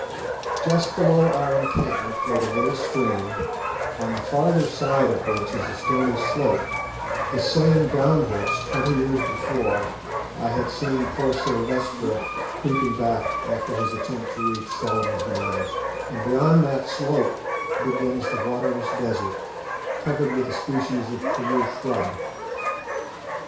Just below our encampment flowed a little stream, on the farther side of which is a stony slope, the same down which, twenty years before, I had seen poor Silvestre creeping back after his attempt to reach Solomon's Mines, and beyond that slope begins the waterless desert, covered with a species of karoo shrub.